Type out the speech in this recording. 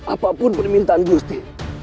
apapun permintaan gusti